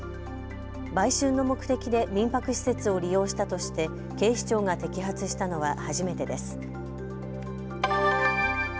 売春の目的で民泊施設を利用したとして警視庁が摘発したのは初めてです。